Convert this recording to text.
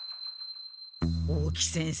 大木先生